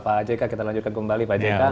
pak jk kita lanjutkan kembali